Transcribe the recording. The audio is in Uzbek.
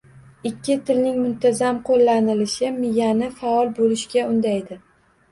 Ikki tilning muntazam qoʻllanilishi miyani faol boʻlishga undaydi.